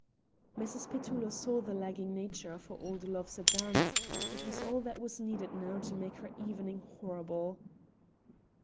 Mrs. Petullo saw the lagging nature of her old love's advance; it was all that was needed now to make her evening horrible.